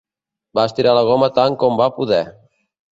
Va estirar la goma tant com va poder.